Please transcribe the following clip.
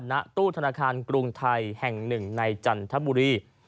ณตู้ธนาคารกรุงไทยแห่งหนึ่งในจันทบุรี